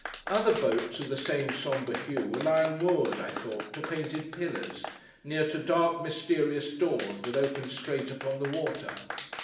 Other boats, of the same sombre hue, were lying moored, I thought, to painted pillars, near to dark mysterious doors that opened straight upon the water.